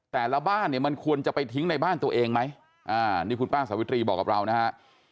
แต่ละบ้านเนี่ยมันควรจะไปทิ้งในบ้านตัวเองไหมนี่คุณป้าสาวิตรีบอกกับเรานะฮะ